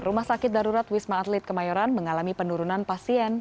rumah sakit darurat wisma atlet kemayoran mengalami penurunan pasien